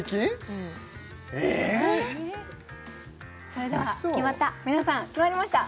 それでは皆さん決まった！